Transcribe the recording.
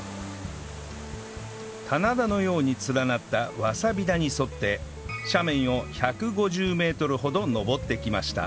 棚田のように連なったわさび田に沿って斜面を１５０メートルほど登ってきました